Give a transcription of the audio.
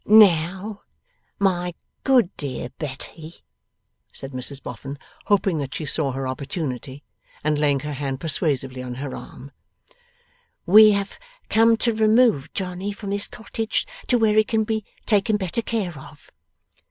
'Now, my good dear Betty,' said Mrs Boffin, hoping that she saw her opportunity, and laying her hand persuasively on her arm; 'we have come to remove Johnny from this cottage to where he can be taken better care of.